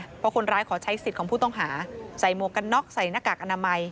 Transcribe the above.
เพราะคนร้ายขอใช้สิทธิ์ของผู้ต้องหาใส่หมวกกันน็อกใส่หน้ากากอนามัย